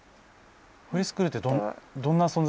フリースクールってどんな存在？